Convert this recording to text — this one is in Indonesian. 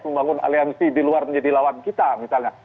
membangun aliansi di luar menjadi lawan kita misalnya